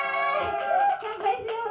乾杯しような。